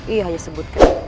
ia hanya sebutkan